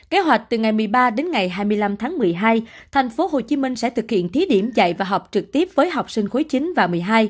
kế hoạch từ ngày một mươi ba đến ngày hai mươi năm tháng một mươi hai tp hcm sẽ thực hiện thí điểm dạy và học trực tiếp với học sinh khối chín và một mươi hai